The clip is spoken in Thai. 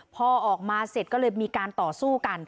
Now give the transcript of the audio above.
พอออกมาเสร็จก็เลยมีการต่อสู้กัน